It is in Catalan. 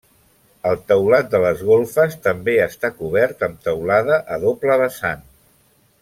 El teulat de les golfes també està cobert amb teulada a doble vessant.